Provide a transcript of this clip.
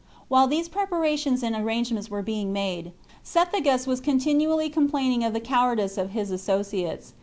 While these preparations and arrangements were being made, Cethegus was continually complaining of the cowardice of his associates.